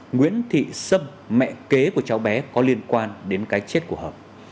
nguyễn thị sâm mẹ kế của cháu bé có liên quan đến cái chết của hợp